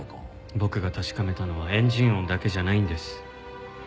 僕が確かめたのはエンジン音だけじゃないんです。